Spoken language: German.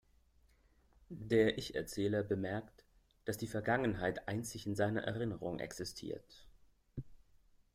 Der Ich-Erzähler bemerkt, dass die Vergangenheit einzig in seiner Erinnerung existiert.